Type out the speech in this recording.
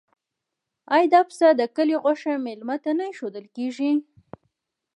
آیا د پسه د کلي غوښه میلمه ته نه ایښودل کیږي؟